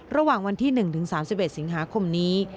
ระหว่างวันที่๑ถึง๓๑สิงหาคมนี้